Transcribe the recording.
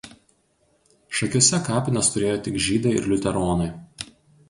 Šakiuose kapines turėjo tik žydai ir liuteronai.